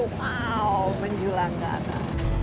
waw menjulang kata